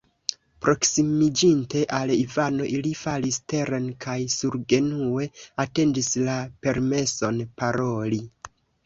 Proksimiĝinte al Ivano, li falis teren kaj surgenue atendis la permeson paroli.